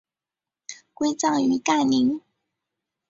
归葬于干陵。